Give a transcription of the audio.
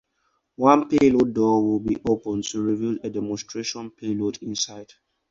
One payload door will be open to reveal a demonstration payload inside.